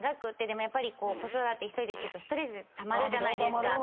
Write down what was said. でもやっぱり子育て１人でしてるとストレスたまるじゃないですか。